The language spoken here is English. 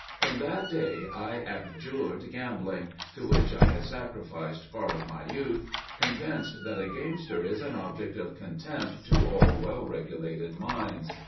From that day I abjured gambling to which I had sacrificed part of my youth convinced that a gamester is an object of contempt to all well regulated minds."